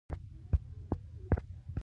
دا نړۍ لید مجسم او عیني کړي.